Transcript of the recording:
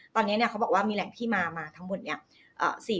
ตอนนี้เขาบอกว่ามีแหล่งที่มามาทั้งหมดเนี่ย